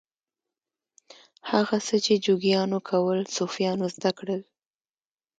هغه څه چې جوګیانو کول صوفیانو زده کړل.